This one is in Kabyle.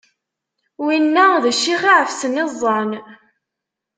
Winna d ccix iɛefsen iẓẓan.